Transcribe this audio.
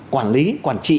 quản lý quản trị